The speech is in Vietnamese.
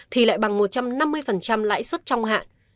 thì lại bằng một trăm năm mươi lãi suất trong hạn